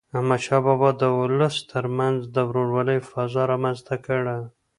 احمدشاه بابا د ولس تر منځ د ورورولی فضا رامنځته کړه.